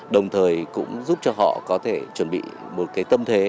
đồng thời cũng giúp cho họ có thể chuẩn bị một cái tâm thế